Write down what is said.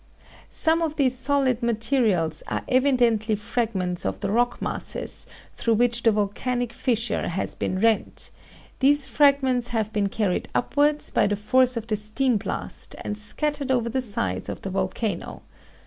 Some of these solid materials are evidently fragments of the rock masses, through which the volcanic fissure has been rent; these fragments have been carried upwards by the force of the steam blast and scattered over the sides of the volcano.